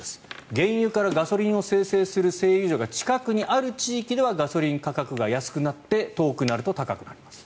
原油からガソリンを精製する製油所が近くにある地域ではガソリン価格が安くなって遠くなると高くなります。